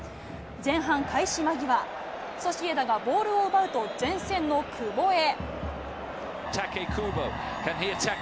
前半、開始間際、ソシエダがボールを奪うと、前線の久保へ。